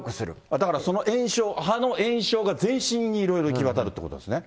だからその炎症、歯の炎症が全身に行き渡るということですね。